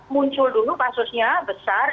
muncul dulu kasusnya besar